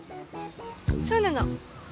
そうなの。